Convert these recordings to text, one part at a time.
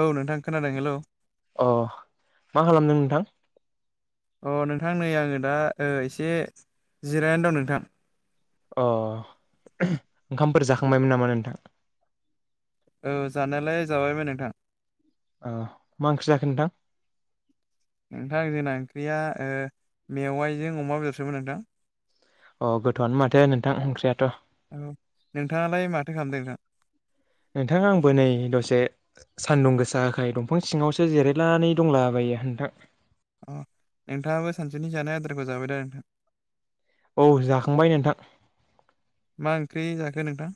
औ नोंथां खोनादों हेलौ। अ मा खालामदों नोंथां? अ नोंथां नै आङो दा एसे जिरायनानै दं नोंथां। अ ओंखामफोर जाखांबायमोन नामा नोंथां? औ जानायालाय जाबायमोन नोंथां। औ मा ओंख्रि जाखो नोंथां? नोंथां जोंना ओंख्रिया मेवाइजों अमा बेदरसोमोन नोंथां। अ गोथौआनो माथो नोंथां ओंख्रियाथ'। औ नोंथाङालाय माथो खालामदों नोंथां? नोंथां आंबो नै दसे सान्दुं गोस जाखाय दंफां सिङावसो जिरायनानै दंलाबायो नोंथां। अ नोंथाङाबो सानसुनि जानाय आदारखौ जाबाय दा नोंथां। औ जाखांबाय नोंथां। मा ओंख्रि जाखो नोंथां?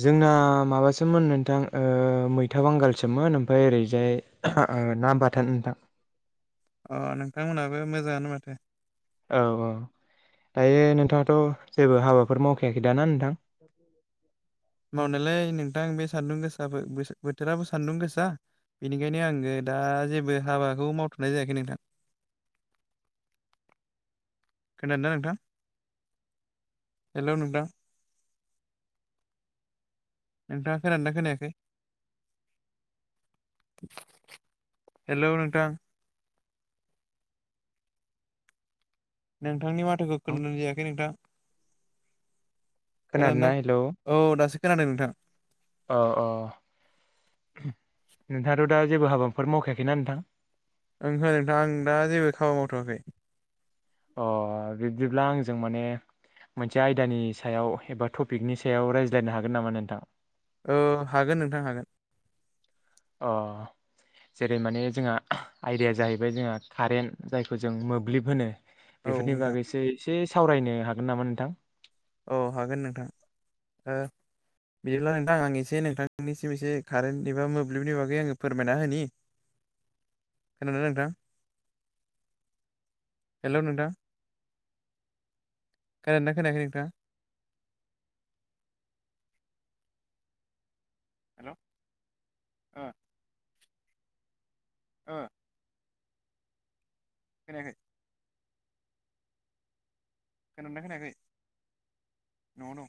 जोंना माबासोमोन नोंथां मैथा बांगालसोमोन ओमफ्राय ओरैजाय ना बाथोन नोंथां। अ नोंथांमोनहाबो मोजाङानो माथो। औ औ दायो नोंथाङाथ' जेबो हाबाफोर मावखायाखै दा ना नोंथां? [inaudible] मावनायालाय नोंथां बे सान्दुं गोसाबो बोथोराबो सान्दुं गोसा बेनिखायनो आङो दा जेबो हाबाखौ मावथ'नाय जायाखै नोंथां। [inaudible] खोनादों दा नोंथां हेलौ नोंथां नोंथाङा खोनादोंना खोनायाखै? हेलौ नोंथां नोंथांनि माथोखौ खोनानाय जायाखै नोंथां। खोनादोंना औ दासो खोनादों नोंथां। औ औ नोंथाङाथ' दा जेबो हाबाफोर मावखायाखैना नोंथां नोंथां आं दा जेबो खामानि मावथ'वाखै अ बिब्दिब्ला आंजों माने मोनसे आयदानि सायाव एबा टपिकनि सायाव रायज्लायनो हागोन नामा नोंथां? औ हागोन नोंथां हागोन अ जेरै माने जोंहा आयडाया जाहैबाय जोंहा कारेन्ट जायखौ जों मोब्लिब होनो औ बेफोरनि नोंथां बागैसो एसे सावरायनो हागोन नामा नोंथां? औ हागोन नोंथां। बिदिब्ला नोंथां आं एसे नोंथांनिसिम एसे कारेन्ट एबा मोब्लिबनि बागै आङो फोरमायना होनि [inaudible] खोनादोंना नोंथां? हेलौ नोंथां खोनादोंना खोनायाखै नोंथाङा? हेलौ ओ खोनायाखै खोनादोंना खोनायाखै न'वाव दं।